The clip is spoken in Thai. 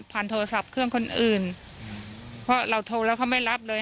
โทรศัพท์เครื่องคนอื่นเพราะเราโทรแล้วเขาไม่รับเลย